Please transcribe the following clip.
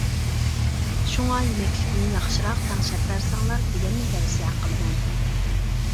شۇڭا يېمەكلىكىنى ياخشىراق تەڭشەپ بەرسەڭلار دېگەننى تەۋسىيە قىلىمەن.